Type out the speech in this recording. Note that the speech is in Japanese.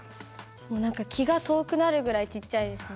何か気が遠くなるぐらいちっちゃいですね。